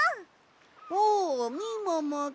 おおみももくん。